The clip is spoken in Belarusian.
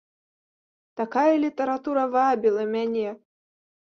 Такая літаратура вабіла мяне.